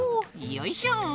よいしょ！